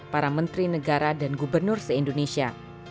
para menteri negara dan gubernur se indonesia